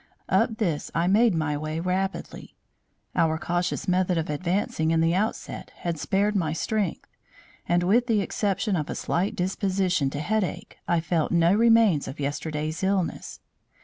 Up this I made my way rapidly. Our cautious method of advancing in the outset had spared my strength; and, with the exception of a slight disposition to headache, I felt no remains of yesterday's illness.